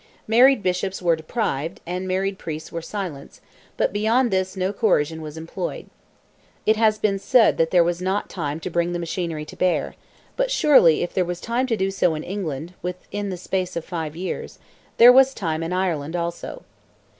Married Bishops were deprived, and married priests were silenced, but beyond this no coercion was employed. It has been said there was not time to bring the machinery to bear; but surely if there was time to do so in England, within the space of five years, there was time in Ireland also.